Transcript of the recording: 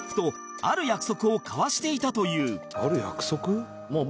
「ある約束？」